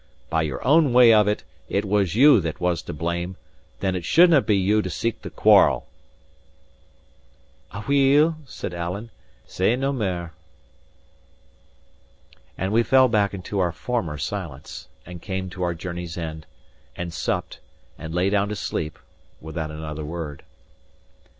By your own way of it, it was you that was to blame; then it shouldnae be you to seek the quarrel." "Aweel," said Alan, "say nae mair." And we fell back into our former silence; and came to our journey's end, and supped, and lay down to sleep, without another word.